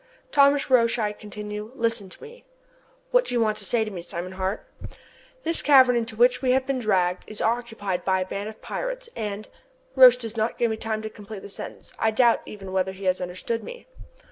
"Thomas Roch," I continue, "listen to me." "What do you want to say to me, Simon Hart?" "This cavern into which we have been dragged, is occupied by a band of pirates, and " Roch does not give me time to complete the sentence I doubt even whether he has understood me.